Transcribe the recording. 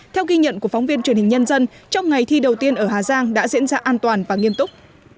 theo ghi nhận của phóng viên truyền hình nhân dân trong ngày thi đầu tiên ở hà giang đã diễn ra an toàn và nghiêm túc